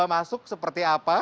masuk seperti apa